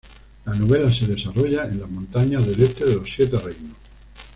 La novela se desarrolla en las montañas del este de los siete reinos.